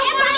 eh apa ini